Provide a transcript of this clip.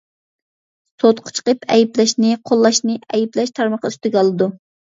سوتقا چىقىپ ئەيىبلەشنى قوللاشنى ئەيىبلەش تارمىقى ئۈستىگە ئالىدۇ.